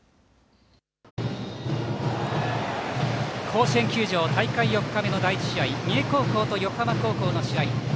甲子園球場大会４日目の第１試合三重高校と横浜高校の試合。